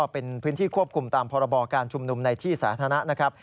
เป็นพื้นที่ควบคุมตามพรบการชุมนุมในที่สาธารณะนะครับ